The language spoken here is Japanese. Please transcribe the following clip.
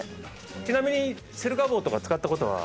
ちなみにセルカ棒とか使った事は？